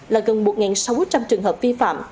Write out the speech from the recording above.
là gần một sáu trăm linh trường hợp vi phạm